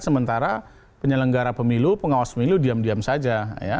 sementara penyelenggara pemilu pengawas pemilu diam diam saja